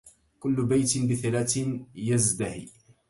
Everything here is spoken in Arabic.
كل بيت بثلاث يزدهي